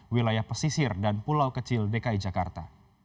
wilayah pesisir dan pulau kecil dki jakarta